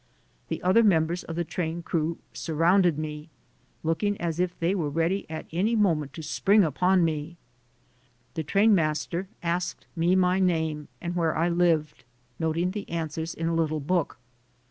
The other members of the train crew sur rounded me, looking as if they were ready at any moment to spring upon me. The train master asked me my name and where I lived, noting the answers in a little book.